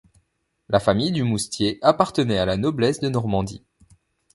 La famille du Moustier appartenait à la noblesse de Normandie.